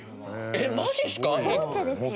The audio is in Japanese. えっマジっすか？